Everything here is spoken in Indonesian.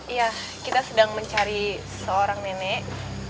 iya kita sedang mencari seorang nenek